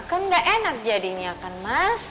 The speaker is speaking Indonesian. kan gak enak jadinya kan mas